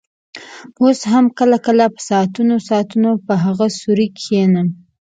اوس هم کله کله په ساعتونو ساعتونو په هغه سوري کښېنم.